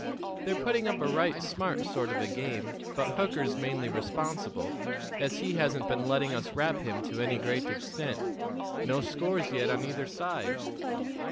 They're putting up a right smart sort of a game, but Hooker's mainly responsible, as he hasn't been letting us rap him to any great extent. No scores yet on either side."